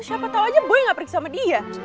siapa tau aja gue gak pergi sama dia